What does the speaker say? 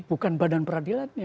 bukan badan peradilan nya